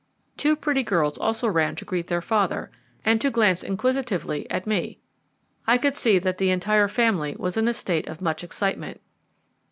Two pretty girls also ran to greet their father, and to glance inquisitively at me. I could see that the entire family was in a state of much excitement.